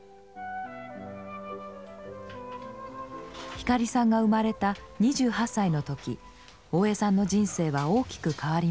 光さんが生まれた２８歳の時大江さんの人生は大きく変わります。